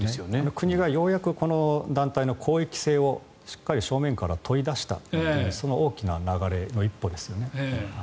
国がようやくこの団体の公益性をしっかり正面から問い出したというその大きな流れの一歩ですよね。